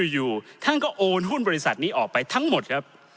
อยู่ท่านก็โอนหุ้นบริษัทนี้ออกไปทั้งหมดครับ